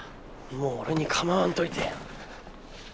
もう俺に構わんといてや。